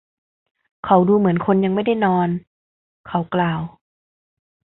เขาดูเหมือนคนยังไม่ได้นอน เขากล่าว